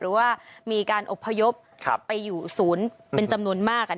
หรือว่ามีการอบพยพไปอยู่ศูนย์เป็นจำนวนมาก